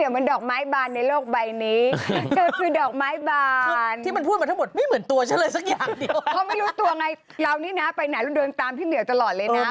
ไปไหนเราเดินตามพี่เหมียวตลอดเลยนะ